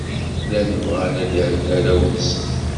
Llan bɣan ad d-rren arraw-nsen.